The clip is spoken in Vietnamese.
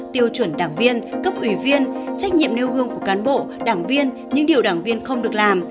tiêu chuẩn đảng viên cấp ủy viên trách nhiệm nêu gương của cán bộ đảng viên những điều đảng viên không được làm